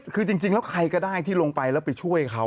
คือจริงแล้วใครก็ได้ที่ลงไปแล้วไปช่วยเขา